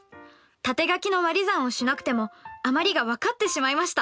縦書きのわり算をしなくても余りが分かってしまいました。